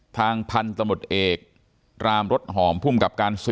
ทางพันธุ์ตะบดเอกรามรถหอมผู้มกับการสุ่ย